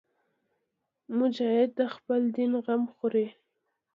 مجاهد د خپل دین غم خوري.